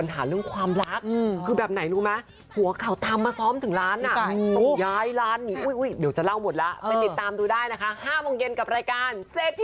แต่ว่าจริงก็คือตั้งใจให้คนดูว่าได้ดูสารร้าน